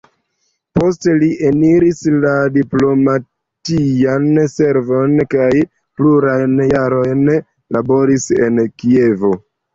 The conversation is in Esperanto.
Poste li eniris la diplomatian servon kaj plurajn jarojn laboris en Kievo.